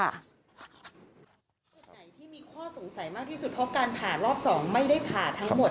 จุดไหนที่มีข้อสงสัยมากที่สุดเพราะการผ่ารอบ๒ไม่ได้ผ่าทั้งหมด